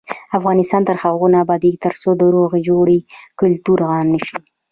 افغانستان تر هغو نه ابادیږي، ترڅو د روغې جوړې کلتور عام نشي.